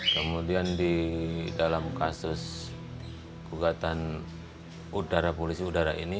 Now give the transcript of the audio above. kemudian di dalam kasus gugatan udara polisi udara ini